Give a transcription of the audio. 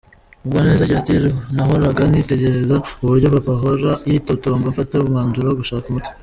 Mugwaneza agira ati, « nahoraga nitegereza uburyo papa ahora yitotomba, mfata umwanzuro wo gushaka umuti.